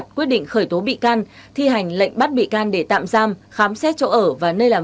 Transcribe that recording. quyết định khởi tố bị can thi hành lệnh bắt bị can để tạm giam khám xét chỗ ở và nơi làm